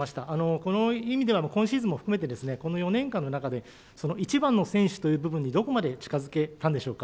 この意味では、今シーズンも含めてこの４年間の中で、いちばんの選手という部分にどこまで近づけたんでしょうか。